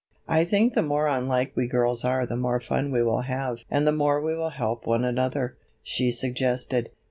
"I think the more unlike we girls are the more fun we will have and the more we will help one another," she suggested.